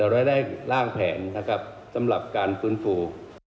เราได้ร่างแผนสำหรับการฟื้นฟู